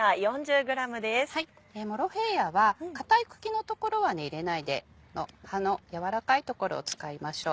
モロヘイヤは硬い茎のところは入れないで葉の柔らかいところを使いましょう。